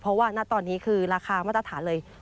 เพราะว่าณตอนนี้คือราคามาตรฐานเลย